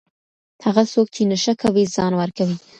هغه څوک چې نشه کوي ځان ورکوي.